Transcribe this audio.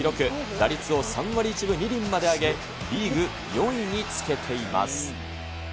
打率を３割１分２厘まで上げ、リーグ４位につけています。